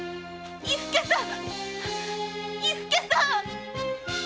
伊助さん！